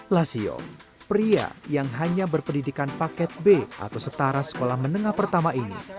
lasio pria yang hanya berpendidikan paket b atau setara sekolah menengah pertama ini